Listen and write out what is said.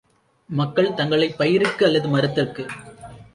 மக்கள் தங்களைப் பயிருக்கு அல்லது மரத்திற்கு